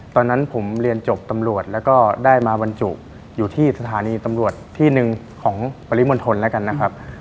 ตอนนั้นผมเรียนจบตำรวจแล้วก็ได้มาบรรจุอยู่ที่สถานีตำรวจที่หนึ่งของปริมณฑลแล้วกันนะครับ